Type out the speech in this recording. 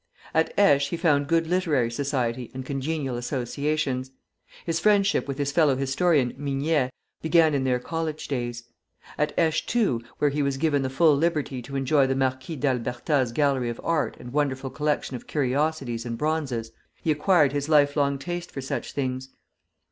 At Aix he found good literary society and congenial associations. His friendship with his fellow historian, Mignet, began in their college days. At Aix, too, where he was given full liberty to enjoy the Marquis d'Alberta's gallery of art and wonderful collection of curiosities and bronzes, he acquired his life long taste for such things.